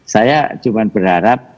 saya cuma berharap